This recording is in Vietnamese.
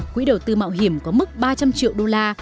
quỹ đầu tư mạo hiểm có mức ba trăm linh triệu đô la